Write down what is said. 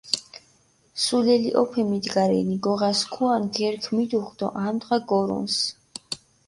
სულელი ჸოფე მიგიდა რენი, გოღა სქუა ნგერქჷ მიდუღჷ დო ამუდღა გორჷნცჷ.